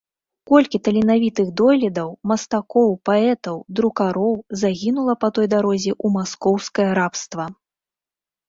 Колькі таленавітых дойлідаў, мастакоў, паэтаў, друкароў загінула па той дарозе ў маскоўскае рабства!